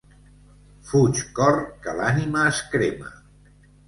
Fuig cor, que l'ànima es crema!